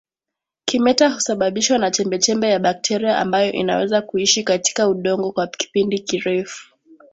Kimeta husababishwa na chembechembe ya bakteria ambayo inaweza kuishi katika udongo kwa kipindi kirefu